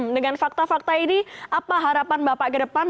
dengan fakta fakta ini apa harapan bapak ke depan